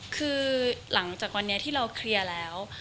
คือหลังจากวันนี้ที่เราเคลียร์แล้ว